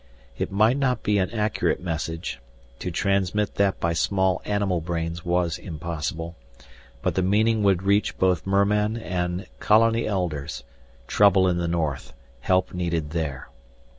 It might not be an accurate message to transmit that by small animal brains was impossible but the meaning would reach both merman and colony Elders: trouble in the north, help needed there.